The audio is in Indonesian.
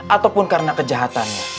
ataupun karena kejahatannya